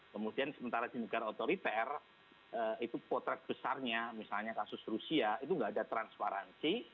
kemudian sementara di negara otoriter itu potret besarnya misalnya kasus rusia itu tidak ada transparansi